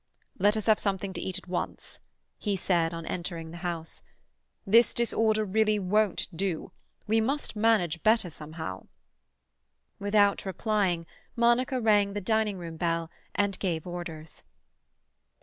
"Let us have something to eat at once," he said on entering the house. "This disorder really won't do: we must manage better somehow." Without replying, Monica rang the dining room bell, and gave orders.